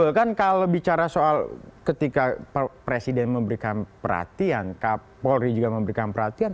betul kan kalau bicara soal ketika presiden memberikan perhatian kapolri juga memberikan perhatian